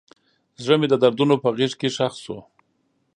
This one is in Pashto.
زړه مې د دردونو په غیږ کې ښخ شو.